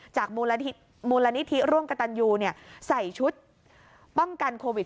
จากมูลณิธิร่วงกะตันยูใส่ชุดป้องกันโควิด๑๙